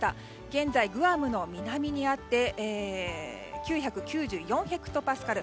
現在、グアムの南にあって９９４ヘクトパスカル。